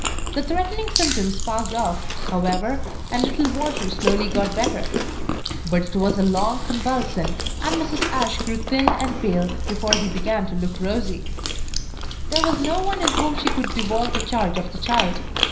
The threatening symptoms passed off, however, and little Walter slowly got better; but it was a long convalescence, and Mrs. Ashe grew thin and pale before he began to look rosy. There was no one on whom she could devolve the charge of the child.